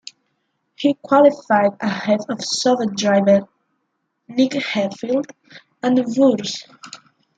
He qualified ahead of Sauber driver Nick Heidfeld and Wurz.